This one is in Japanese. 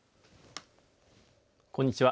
こんにちは。